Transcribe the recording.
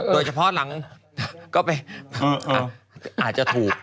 โดยเฉพาะหลังก็ไปอาจจะถูก